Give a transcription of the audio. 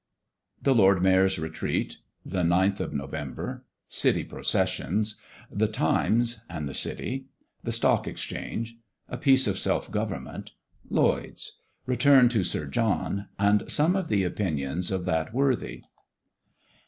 THE LORD MAYOR'S RETREAT. THE NINTH OF NOVEMBER. CITY PROCESSIONS. "THE TIMES" AND THE CITY. THE STOCK EXCHANGE. A PIECE OF SELF GOVERNMENT. LLOYD'S. RETURN TO SIR JOHN, AND SOME OF THE OPINIONS OF THAT WORTHY.